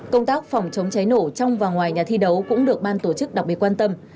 công tác phòng chống cháy nổ trong và ngoài nhà thi đấu cũng được ban tổ chức đặc biệt quan tâm